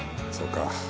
そうか。